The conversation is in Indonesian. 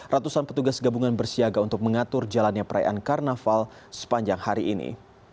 ratusan petugas gabungan bersiaga untuk mengatur jalannya perayaan karnaval sepanjang hari ini